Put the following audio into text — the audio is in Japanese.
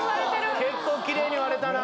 結構キレイに割れたな。